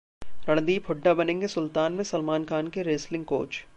रणदीप हुड्डा बनेंगे 'सुलतान' में सलामन खान के रेसलिंग कोच